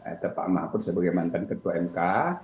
atau pak mahfud sebagai mantan ketua mk